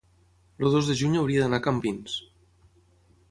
el dos de juny hauria d'anar a Campins.